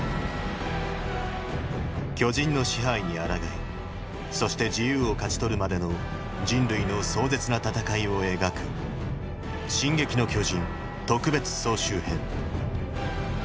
巨人の支配に抗いそして自由を勝ち取るまでの人類の壮絶な戦いを描く「進撃の巨人特別総集編」